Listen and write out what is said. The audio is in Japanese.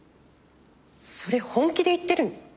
それ本気で言ってるの？